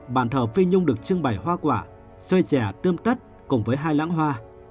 bàn thờ phi nhung được trưng bày hoa quả xoay trẻ tươm tất cùng với hai lãng hoa